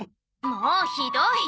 もうひどい！